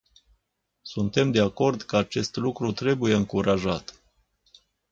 Suntem de acord că acest lucru trebuie încurajat.